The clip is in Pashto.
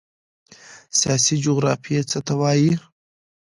سیاسي جغرافیه څه ته وایي؟